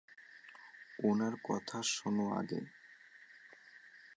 ওনার কথা শোনো আগে।